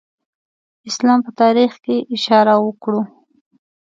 اسلام په تاریخ کې اشاره وکړو.